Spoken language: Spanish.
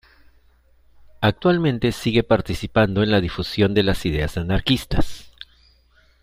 Actualmente sigue participando en la difusión de las ideas anarquistas.